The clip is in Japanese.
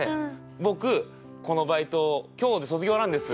僕このバイト今日で卒業なんです。